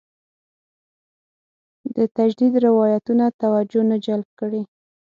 د تجدید روایتونه توجه نه جلب کړې.